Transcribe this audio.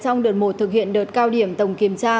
trong đợt một thực hiện đợt cao điểm tổng kiểm tra